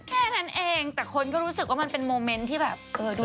แค่นั้นเองแต่คนก็รู้สึกว่ามันเป็นโมเมนต์ที่แบบเออด้วย